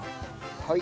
はい。